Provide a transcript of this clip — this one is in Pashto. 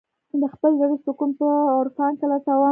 د خپل زړه سکون په عرفان کې لټوم.